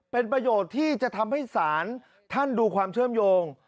เป็นประโยชน์ที่จะทำให้ศาลท่านดูความเชื่อมโยง